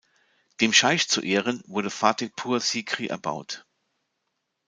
Dem Scheich zu Ehren wurde Fatehpur Sikri erbaut.